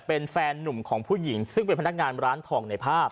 เป็นแฟนนุ่มของผู้หญิงซึ่งเป็นพนักงานร้านทองในภาพ